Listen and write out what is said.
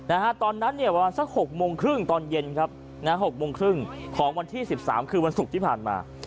นะฮะตอนนั้นเนี่ยประมาณสักหกโมงครึ่งตอนเย็นครับนะฮะหกโมงครึ่งของวันที่สิบสามคือวันศุกร์ที่ผ่านมา